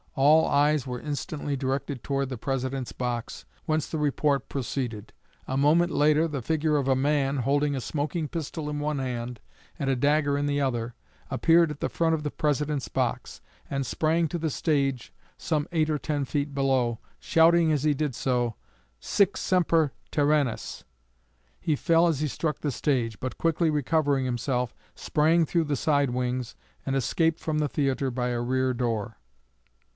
All eyes were instantly directed toward the President's box, whence the report proceeded. A moment later, the figure of a man, holding a smoking pistol in one hand and a dagger in the other, appeared at the front of the President's box, and sprang to the stage, some eight or ten feet below, shouting as he did so, "Sic semper tyrannis!" He fell as he struck the stage; but quickly recovering himself, sprang through the side wings and escaped from the theatre by a rear door.